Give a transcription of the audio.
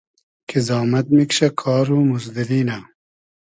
کی زامئد میکشۂ ، کار و موزدوری نۂ